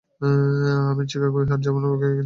আমি চিকাগোয় আর যাইব কি না, জানি না।